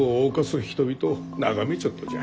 人々を眺めちょっとじゃ。